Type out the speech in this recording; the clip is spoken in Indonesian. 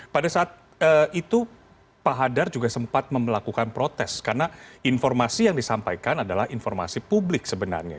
pada saat itu pak hadar juga sempat melakukan protes karena informasi yang disampaikan adalah informasi publik sebenarnya